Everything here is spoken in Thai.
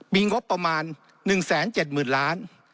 มีงบประมาณ๑๗๐๐๐๐ล้าน